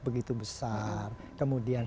begitu besar kemudian